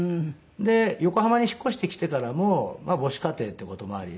で横浜に引っ越してきてからも母子家庭って事もあり